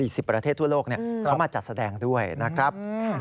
๑๐ประเทศทั่วโลกเขามาจัดแสดงด้วยนะครับ